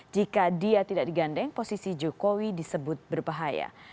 jika dia tidak digandeng posisi jokowi disebut berbahaya